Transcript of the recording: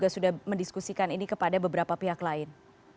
sudah mendiskusikan ini kepada beberapa pihak lain